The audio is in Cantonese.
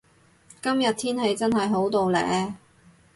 今日天氣真係好到呢